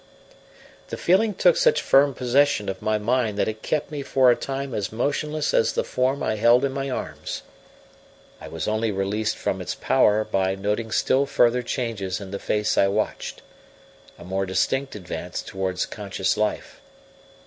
This feeling took such firm possession of my mind that it kept me for a time as motionless as the form I held in my arms. I was only released from its power by noting still further changes in the face I watched, a more distinct advance towards conscious life.